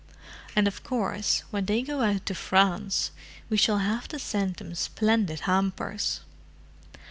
And of course, when they go out to France, we shall have to send them splendid hampers."